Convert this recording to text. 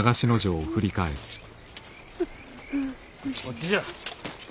こっちじゃ。